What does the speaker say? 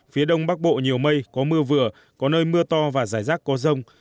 phía đông bắc bộ nhiều mây có mưa vừa có nơi mưa to và rải rác có rông